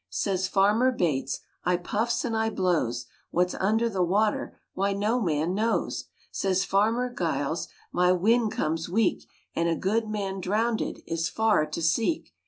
Says Farmer Bates, "I puffs and I blows, What's under the water, Why, no man knows!" Says Farmer Giles, "My wind comes weak, And a good man drownded Is far to seek."